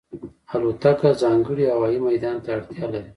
الوتکه ځانګړی هوايي میدان ته اړتیا لري.